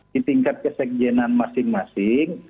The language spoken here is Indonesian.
di tingkat kesekjenan masing masing